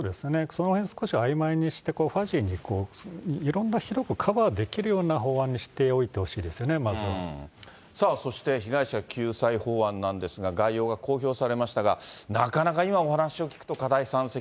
そのへん、少しあいまいにして、ファジーにいろんな広くカバーできるような法案にしておいてほしそして被害者救済法案なんですが、概要が公表されましたが、なかなか、今、お話聞くと課題山積。